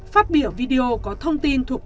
phát biểu video có thông tin thuộc